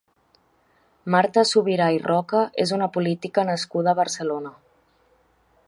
Marta Subirà i Roca és una política nascuda a Barcelona.